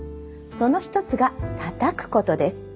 その一つがたたくことです。